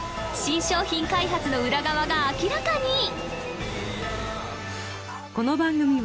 新商品開発の裏側が明らかに！